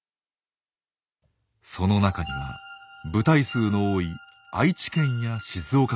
その中には部隊数の多い愛知県や静岡県も。